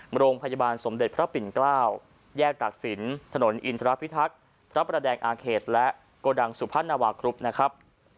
โรงพยาบาลสมเด็จพระปิ่นเกล้าแยกตากศิลป์ถนนอินทรพิทักษ์พระประแดงอาเขตและโกดังสุพรรณวาครุบนะครับ